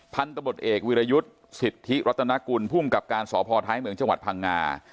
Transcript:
พันธบทเอกวิรยุทธ์สิทธิรัตนกุลภูมิกับการสพท้ายเหมืองจังหวัดพังงา